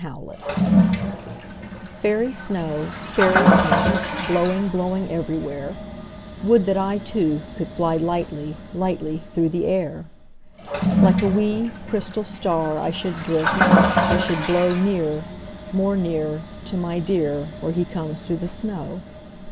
Snow Song FAIRY snow, fairy snow, Blowing, blowing everywhere, Would that I Too, could fly Lightly, lightly through the air. Like a wee, crystal star I should drift, I should blow Near, more near, To my dear Where he comes through the snow.